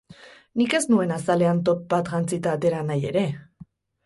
Nik ez nuen azalean top bat jantzita atera nahi ere!